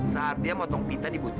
saat dia motong pita di bukti